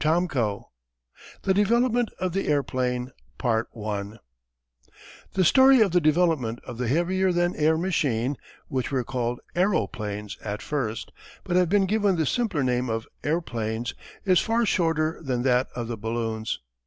CHAPTER V THE DEVELOPMENT OF THE AIRPLANE The story of the development of the heavier than air machine which were called aëroplanes at first, but have been given the simpler name of airplanes is far shorter than that of the balloons.